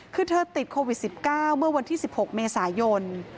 คือเธอติดโควิด๑๙เมื่อวันที่๑๖เมษายน